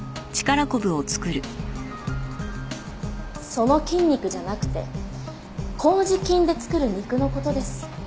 その筋肉じゃなくて麹菌で作る肉の事です。